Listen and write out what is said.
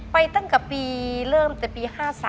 ไปตั้งแต่ปีเริ่มแต่ปี๕๓